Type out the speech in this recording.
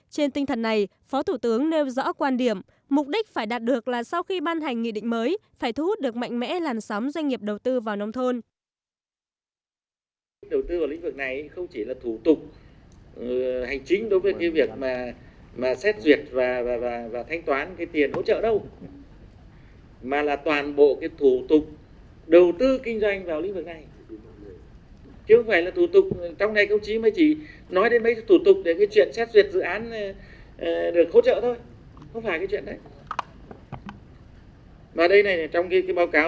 trên tinh thần này phó thủ tướng nêu rõ quan điểm mục đích phải đạt được là sau khi ban hành nghị định mới phải thu hút được mạnh mẽ làn sóng doanh nghiệp đầu tư vào nông thôn